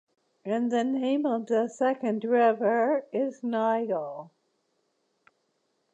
And the name of the second river is nile